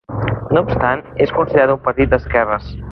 No obstant és considerat un partit d'esquerres.